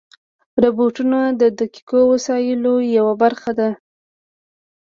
روبوټونه د دقیقو وسایلو یوه برخه دي.